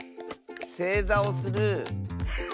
せいざをする。